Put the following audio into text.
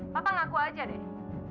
papa ngaku aja deh